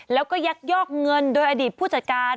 แล้วก็ยักยอกเงินโดยอดีตผู้จัดการ